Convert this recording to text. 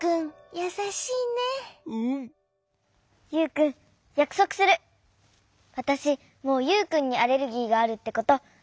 わたしもうユウくんにアレルギーがあるってことわすれない！